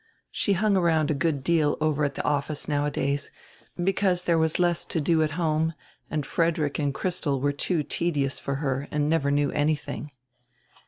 She hung around a good deal over at the "office" nowadays, because there was less to do at home and Frederick and Christel were too tedious for her and never knew anything.